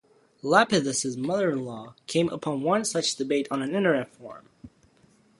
Lapidus' mother-in-law came upon one such debate on an Internet forum.